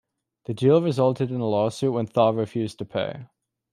The deal resulted in a lawsuit when Thaw refused to pay.